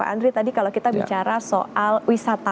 pak andri tadi kalau kita bicara soal wisatawan pak